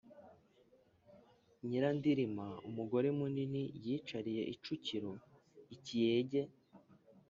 nyirandirima umugore munini yicariye icukiro-ikiyege.